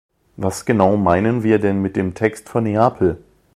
Was genau meinen wir denn mit dem "Text von Neapel"?